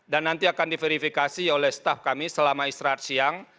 dan nanti akan diverifikasi oleh staf kami selama istirahat siang